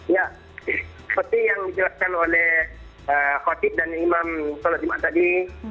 ya seperti yang dijelaskan oleh khotib dan imam sholat jumat tadi